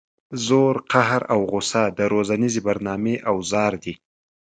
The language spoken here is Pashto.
زور قهر او غصه د روزنیزې برنامې اوزار دي.